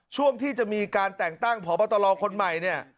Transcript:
ช่วงที่จะมีการแต่งตั้งพบตรคนใหม่เนี่ย